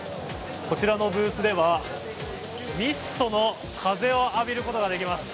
こちらのブースではミストの風を浴びることができます。